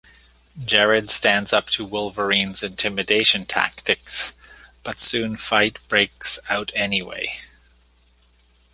Jared stands up to Wolverine's intimidation tactics but soon fight breaks out anyway.